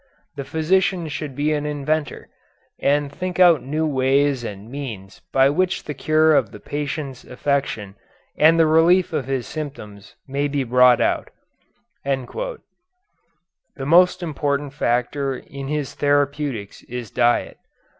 The physician should be an inventor, and think out new ways and means by which the cure of the patient's affection and the relief of his symptoms may be brought about." The most important factor in his therapeutics is diet.